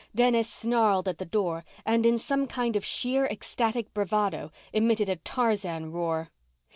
Dennis snarled at the door and, in some kind of sheer ecstatic bravado, emitted a Tarzan roar.